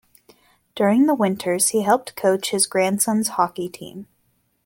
During the winters he helped coach his grandson's hockey team.